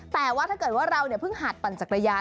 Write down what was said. แต่ว่าถ้าเกิดว่าเราเพิ่งหัดปั่นจักรยาน